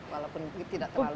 walaupun tidak terlalu paham